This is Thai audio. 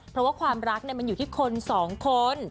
เพราะว่าความรักมันอยู่ที่คนสองคน